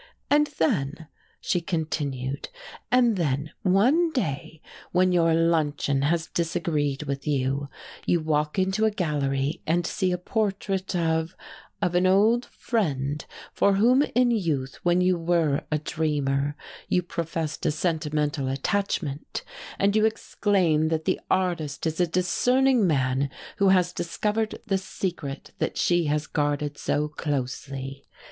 "And then," she continued, "and then one day when your luncheon has disagreed with you you walk into a gallery and see a portrait of of an old friend for whom in youth, when you were a dreamer, you professed a sentimental attachment, and you exclaim that the artist is a discerning man who has discovered the secret that she has guarded so closely.